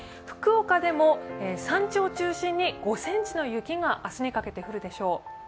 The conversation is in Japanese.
福岡でも山地を中心に５ｃｍの雪が明日にかけて降るでしょう。